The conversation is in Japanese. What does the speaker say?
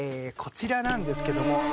こちらなんですけども。